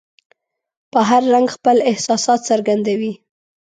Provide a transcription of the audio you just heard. په هر رنګ خپل احساسات څرګندوي.